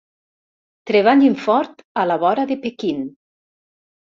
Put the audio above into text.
Treballin fort a la vora de Pequín.